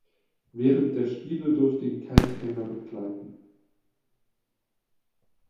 Während der Spiele durfte ihn kein Trainer begleiten.